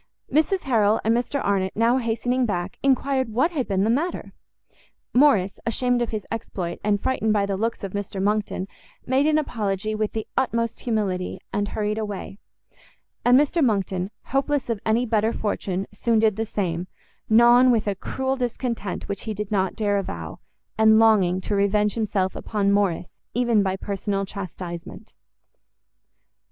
Mrs Harrel and Mr Arnott, now hastening back, enquired what had been the matter? Morrice, ashamed of his exploit, and frightened by the looks of Mr Monckton, made an apology with the utmost humility, and hurried away: and Mr Monckton, hopeless of any better fortune, soon did the same, gnawn with a cruel discontent which he did not dare avow, and longing to revenge himself upon Morrice, even by personal chastisement.